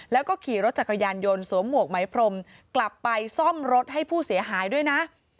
แล้วก็ขี่รถจักรยานยนต์สวมหมวกไหมพรมกลับไปซ่อมรถให้ผู้เสียหายด้วยนะ